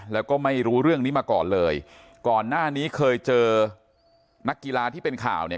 แล้วก็ไม่รู้เรื่องนี้มาก่อนเลยก่อนหน้านี้เคยเจอนักกีฬาที่เป็นข่าวเนี่ย